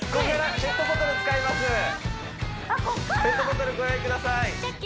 ペットボトルご用意ください！